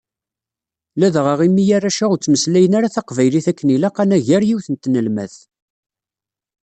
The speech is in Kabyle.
Ladɣa imi arrac-a ur ttmeslayen ara taqbaylit akken ilaq anagar yiwet n tnelmadt.